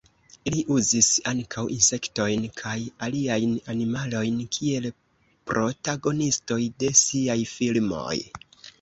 Li uzis ankaŭ insektojn kaj aliajn animalojn kiel protagonistoj de siaj filmoj.